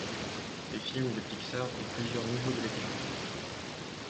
Les films de pixar ont plusieurs niveaux de lecture.